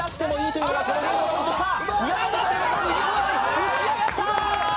打ち上がった！